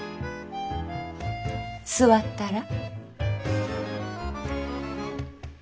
座ったら？